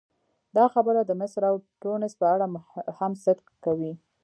دا خبره د مصر او ټونس په اړه هم صدق کوي.